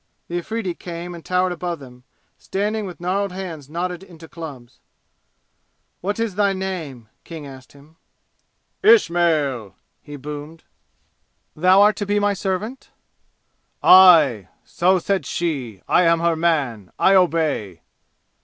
The Afridi came and towered above them, standing with gnarled hands knotted into clubs. "What is thy name?" King asked him. "Ismail!" he boomed. "Thou art to be my servant?" "Aye! So said she. I am her man. I obey!"